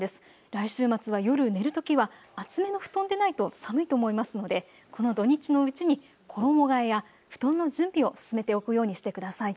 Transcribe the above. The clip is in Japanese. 来週末は夜寝るときは厚めの布団でないと寒いと思いますのでこの土日のうちに衣がえや布団の準備を進めておくようにしてください。